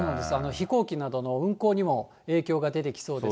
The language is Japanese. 飛行機などの運航にも影響が出てきそうです。